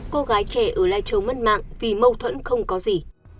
cô gái trẻ ở lai châu mất mạng vì mâu thuẫn không có gì